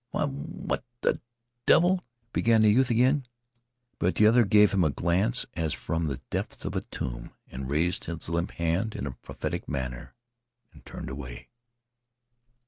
"Why, what the devil " began the youth again. But the other gave him a glance as from the depths of a tomb, and raised his limp hand in a prophetic manner and turned away.